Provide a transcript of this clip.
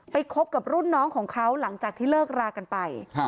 คบกับรุ่นน้องของเขาหลังจากที่เลิกรากันไป